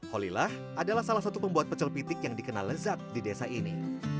holilah adalah salah satu pembuat pecel pitik yang dikenal lezat di desa ini